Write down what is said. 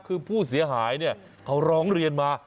คือผู้เสียหายเขาร้องเรียนมา